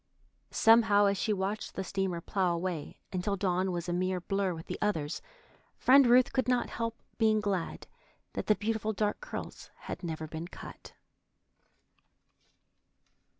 Somehow, as she watched the steamer plough away until Dawn was a mere blur with the others, Friend Ruth could not help being glad that the beautiful dark curls had never been cut.